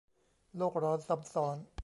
โลกร้อนซ้ำซ้อน